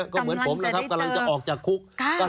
ก็เหมือนผมแล้วครับกำลังจะออกจากคุก